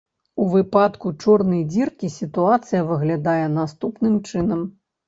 У выпадку чорнай дзіркі сітуацыя выглядае наступным чынам.